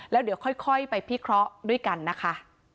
แล้วเดี๋ยวค่อยไปพิเคราะห์ด้วยกันนะคะ